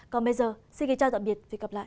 còn bây giờ xin kính chào tạm biệt và hẹn gặp lại